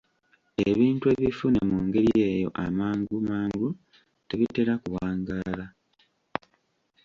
Ebintu ebifune mu ngeri eyo amangu mangu tebitera kuwangaala.